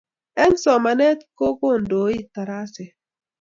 Eng' somanet ko koindou taraset.